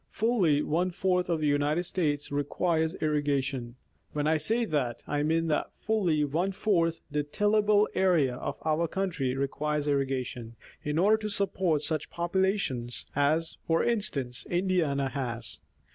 Fully one fourth of the United States requires irrigation. When I say that, I mean that fully one fourth the tillable area of our country requires irrigation, in order to support such a population as, for instance, Indiana has.